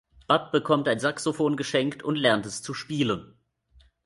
Bud bekommt ein Saxophon geschenkt und lernt es zu spielen.